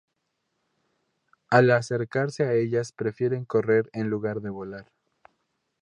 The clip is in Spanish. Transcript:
Al acercarse a ellas prefieren correr en lugar de volar.